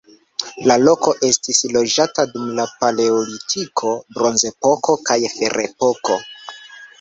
La loko estis loĝata dum la paleolitiko, bronzepoko kaj ferepoko.